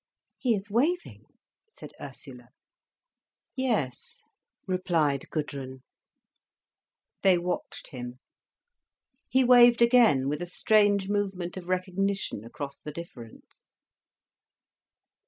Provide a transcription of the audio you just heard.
"He is waving," said Ursula. "Yes," replied Gudrun. They watched him. He waved again, with a strange movement of recognition across the difference.